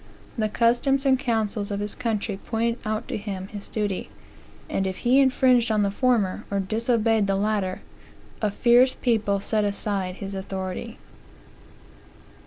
The customs and councils of his country pointed out to him his duty; and if he infringed on the former, or disobeyed the latter, a fierce people set aside his authority.